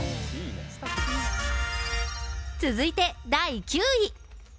続いて第９位。